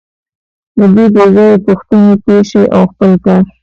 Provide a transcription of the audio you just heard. له دې بېځایه پوښتنو تېر شئ او خپل کار.